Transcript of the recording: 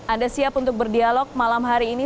anda siap untuk berdialog malam hari ini